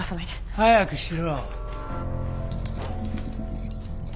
・早くしろ。